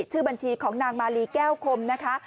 ชื่อบัญชีของนางมาลีแก้วคมนะคะ